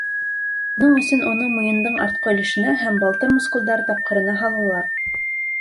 Бының өсөн уны муйындың артҡы өлөшөнә һәм балтыр мускулдары тапҡырына һалалар.